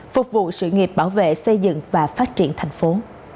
phục vụ sự nghiệp bảo vệ xây dựng và phát triển thành phố